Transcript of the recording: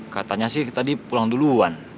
katanya sih tadi pulang duluan